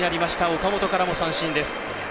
岡本からも三振です。